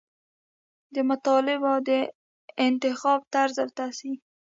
د مطالبو د انتخاب طرز او تصحیح.